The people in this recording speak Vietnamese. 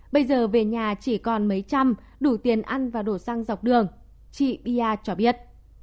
bây giờ về nhà chỉ còn mấy trăm đủ tiền ăn và đổ xăng dọc đường chị bia cho biết